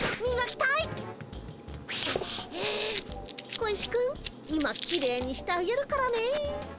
小石くん今きれいにしてあげるからね。